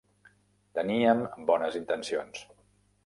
Teníem bones intencions.